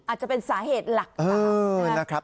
อาจจะเป็นสาเหตุหลักตามนะครับ